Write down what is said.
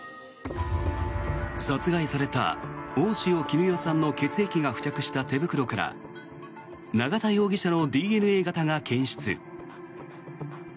殺害された大塩衣與さんの血液が付着した手袋から永田容疑者のＤＮＡ型が検出。